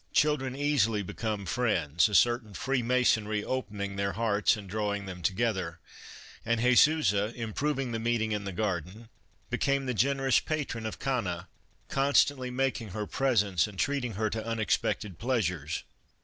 Children easily become friends, a certain free masonry open ing their hearts and drawing them together, and Jesusa, improving the meeting in the garden, became the generous patron of Cana, constantly making her presents and treating her to unexpected pleasures.